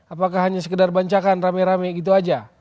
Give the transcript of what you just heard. apakah hanya sekedar bancakan rame rame gitu aja